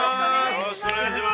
よろしくお願いします。